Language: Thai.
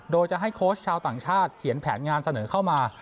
โดยจะให้โค้ชชาวต่างชาติเขียนแผนงานเสนอเข้ามา